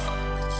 kualitas yang baik